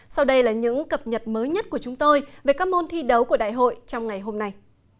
sau đây là những cập nhật mới nhất của chúng tôi về các môn thi đấu của đại hội trong ngày hôm nay